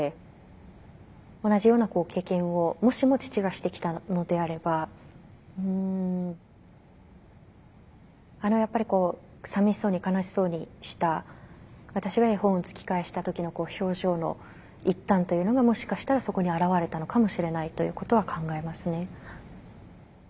同じような経験をもしも父がしてきたのであればあのやっぱりこうさみしそうに悲しそうにした私が絵本を突き返した時の表情の一端というのがもしかしたらそこに表れたのかもしれないということは考えますね。